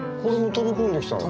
飛び込んできたの。